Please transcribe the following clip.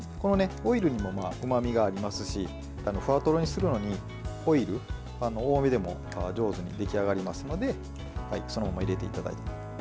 オイルにもうまみがありますしふわとろにするのにオイル多めでも上手に出来上がりますのでそのまま入れていただいて。